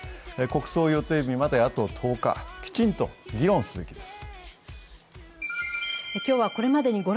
国葬予定日まであと１０日、きちんと議論すべきです。